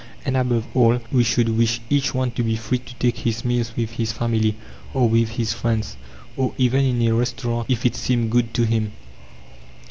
And, above all, we should wish each one to be free to take his meals with his family, or with his friends, or even in a restaurant, if it seemed good to him.